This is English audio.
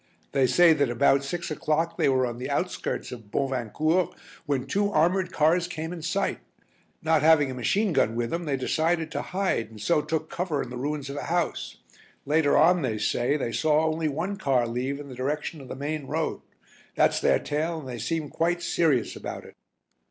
They say that about six o'clock they were on the outskirts of Bovincourt when two armoured cars came in sight. Not having a machine gun with them they decided to hide and so took cover in the ruins of a house. Later on they say they saw only one car leave in the direction of the main road. That's their tale and they seem quite serious about it."